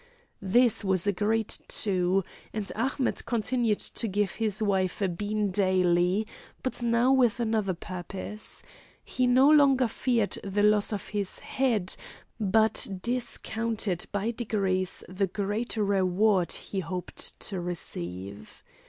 This was agreed to, and Ahmet continued to give his wife a bean daily but now with another purpose; he no longer feared the loss of his head, but discounted by degrees the great reward he hoped to receive.